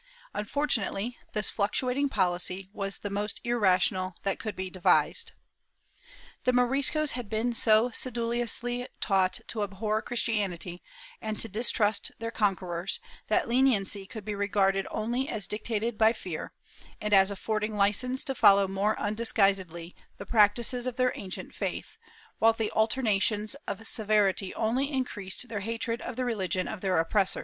Unfor tunately, this fluctuating policy was the most irrational that could be devised. The Moriscos had been so sedulously taught to abhor Christianity and to distrust their conquerors that leniency could be regarded only as dictated by fear, and as affording licence to follow more undisguisedly the practices of their ancient faith, while the alternations of severity only increased their hatred of the religion of their oppressors.